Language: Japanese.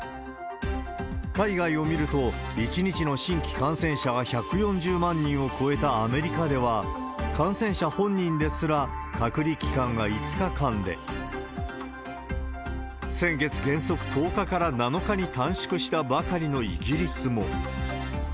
海外を見ると、１日の新規感染者が１４０万人を超えたアメリカでは、感染者本人ですら隔離期間は５日間で、先月原則１０日から７日に短縮したばかりのイギリスも。